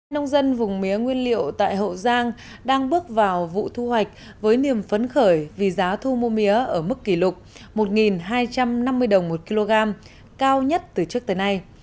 nông dân vùng mía nguyên liệu tại hậu giang đang bước vào vụ thu hoạch với niềm phấn khởi vì giá thu mua mía ở mức kỷ lục một hai trăm năm mươi đồng một kg cao nhất từ trước tới nay